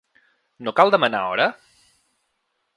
No cal demanar hora?